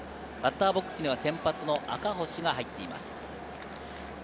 バッターボックスには先発の赤星が入っています。